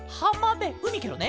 うみケロね。